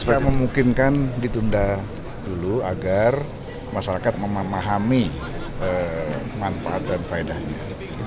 supaya memungkinkan ditunda dulu agar masyarakat memahami manfaat dan faedahnya